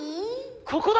ここだ！